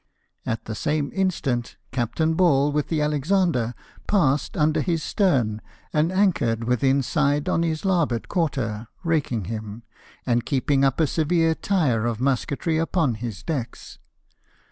At the same instant Captain Ball, with the Alexander, passed under his stern, and anchored within side on his larboard quarter, raking him, and keeping up a severe fire of mjLisketry upon his decks.